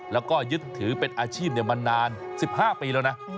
แล้วก็ยึดถือเป็นอาชีพมานาน๑๕ปีแล้วนะ